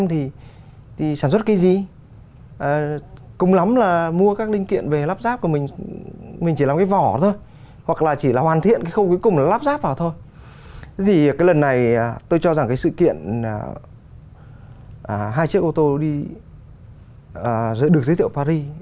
hai chiếc ô tô được giới thiệu paris